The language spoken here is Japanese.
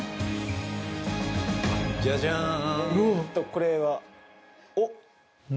ジャジャン！